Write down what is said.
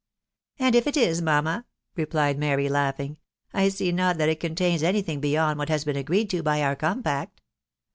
" And if it is, mamma," replied Mary, laughing, " I see not that it contains any thing beyond what has been agreed to by our compact."